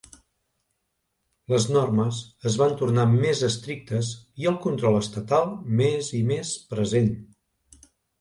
Les normes es van tornar més estrictes i el control estatal més i més present.